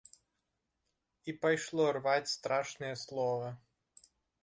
І пайшло рваць страшнае слова.